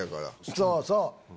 そうそう。